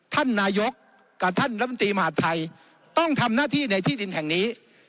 ท่านนายกกับท่านรัฐมนตรีมหาดไทยต้องทำหน้าที่ในที่ดินแห่งนี้